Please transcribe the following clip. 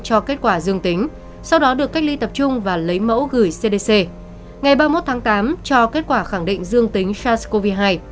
cho kết quả dương tính sau đó được cách ly tập trung và lấy mẫu gửi cdc ngày ba mươi một tháng tám cho kết quả khẳng định dương tính sars cov hai